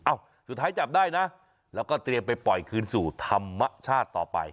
สุดท้ายจับได้นะแล้วก็เตรียมไปปล่อยคืนสู่ธรรมชาติต่อไป